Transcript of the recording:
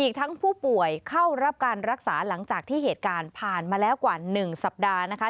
กว่า๑สัปดาห์